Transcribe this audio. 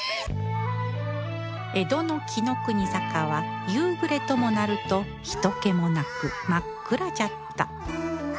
江戸の紀伊国坂は夕暮れともなると人けもなく真っ暗じゃった